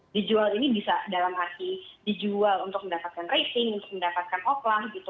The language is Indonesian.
dijual ini bisa dalam arti dijual untuk mendapatkan rating untuk mendapatkan oklah gitu